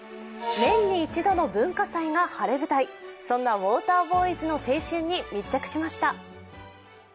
年に一度の文化祭が晴れ舞台、そんなウォーターボーイズの一日に密着しました。